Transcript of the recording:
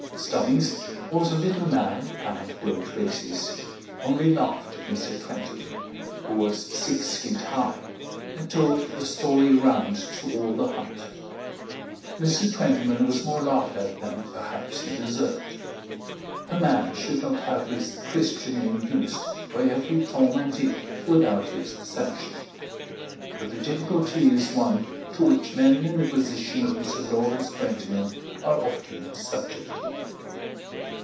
Stubbings, who was a little man and rode races, only laughed at Mr. Twentyman who was six feet high, and told the story round to all the hunt. Mr. Twentyman was more laughed at than perhaps he deserved. A man should not have his Christian name used by every Tom and Dick without his sanction. But the difficulty is one to which men in the position of Mr. Lawrence Twentyman are often subject.